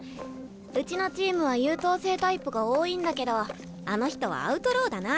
うちのチームは優等生タイプが多いんだけどあの人はアウトローだな。